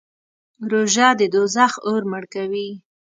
روژه د دوزخ اور مړ کوي.